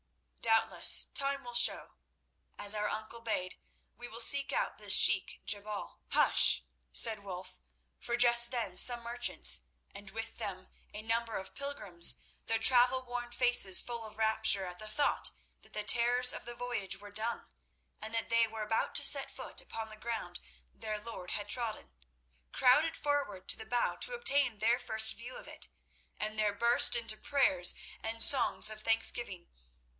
"Doubtless time will show. As our uncle bade, we will seek out this Sheik Jebal— " "Hush!" said Wulf, for just then some merchants, and with them a number of pilgrims, their travel worn faces full of rapture at the thought that the terrors of the voyage were done, and that they were about to set foot upon the ground their Lord had trodden, crowded forward to the bow to obtain their first view of it, and there burst into prayers and songs of thanksgiving.